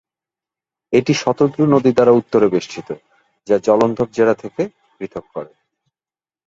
এটি শতদ্রু নদী দ্বারা উত্তরে বেষ্টিত, যা জলন্ধর জেলার থেকে পৃথক করে।